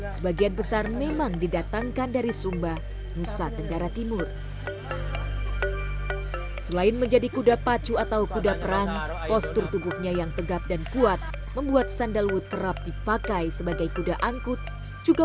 sebagian besar memang didatangkan dari sumba